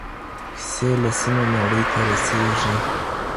کیسې له سیمې نړۍ ته رسېږي.